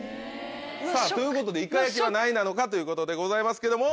さぁということでいかやきは何位なのか？ということでございますけども。